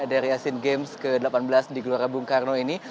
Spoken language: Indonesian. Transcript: dari asian games ke delapan belas di gelora bung karno ini